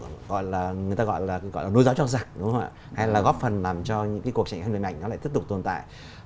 người ta gọi là nuôi gió cho giặc đúng không ạ hay là góp phần làm cho những cái cuộc trạng hình nền ảnh nó lại tiếp tục tồn tại